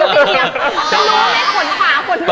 ไม่รู้